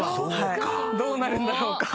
どうなるんだろうか。